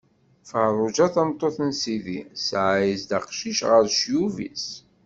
Feṛṛuǧa, tameṭṭut n sidi, tesɛa-as-d aqcic ɣer ccyub-is.